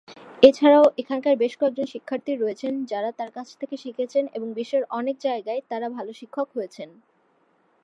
এছাড়াও এখানকার বেশ কয়েকজন শিক্ষার্থী রয়েছেন যাঁরা তাঁর কাছ থেকে শিখেছেন এবং বিশ্বের অনেক জায়গায় তাঁরা ভাল শিক্ষক হয়েছেন।